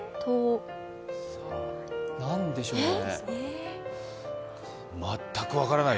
なんでしょうね。